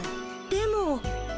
でも。